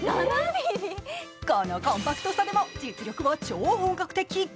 このコンパクトさでも実力は超本格的。